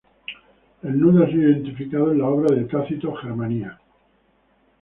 El nudo ha sido identificado en la obra de Tácito, Germania.